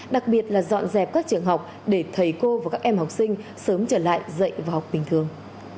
đặc biệt là dọn dẹp các trường học để thầy cô và các em học sinh sớm trở lại dạy và học bình thường